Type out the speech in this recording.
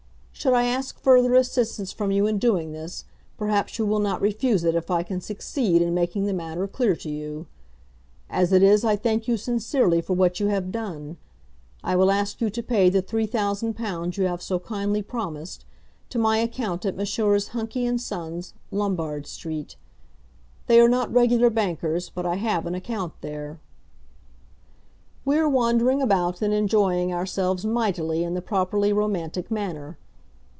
Should I ask further assistance from you in doing this, perhaps you will not refuse it if I can succeed in making the matter clear to you. As it is I thank you sincerely for what you have done. I will ask you to pay the £3000 you have so kindly promised, to my account at Messrs. Hunky and Sons, Lombard Street. They are not regular bankers, but I have an account there. We are wandering about and enjoying ourselves mightily in the properly romantic manner.